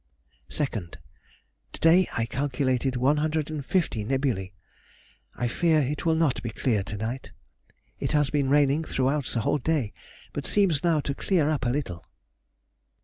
2nd.—To day I calculated 150 nebulæ. I fear it will not be clear to night. It has been raining throughout the whole day, but seems now to clear up a little.